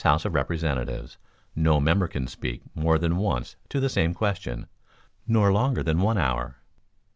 House of Representatives no member can speak more than once to the same question, nor longer than one hour.